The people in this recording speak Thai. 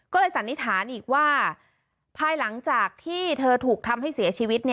ก็เลยสันนิษฐานอีกว่าภายหลังจากที่เธอถูกทำให้เสียชีวิต